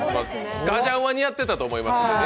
スカジャンは似合っていたと思いますけどね。